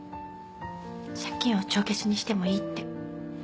借金を帳消しにしてもいいって。